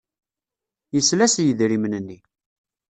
Yesla s yidrimen-nni.